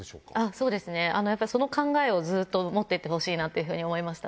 そうですねその考えをずっと持っててほしいなっていうふうに思いました。